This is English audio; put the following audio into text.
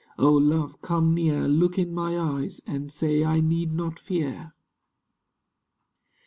Oh, love, come near; Look in my eyes, and say I need not fear.